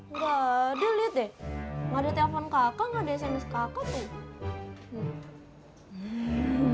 enggak ada liat deh gak ada telepon kakak gak ada sms kakak tuh